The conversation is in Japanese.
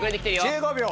１５秒。